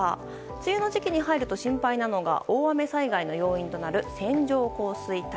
梅雨の時期に入ると心配なのが大雨災害の要因となる線状降水帯。